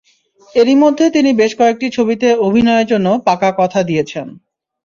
এরই মধ্যে তিনি বেশ কয়েকটি ছবিতে অভিনয়ের জন্য পাকা কথা দিয়েছেন।